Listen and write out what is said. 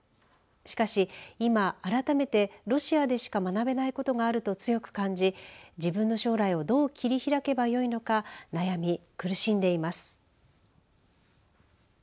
しかし今、改めてロシアでしか学べないことがあると強く感じ自分の将来をどう切り開けばよいのか悩み、苦しんでいます。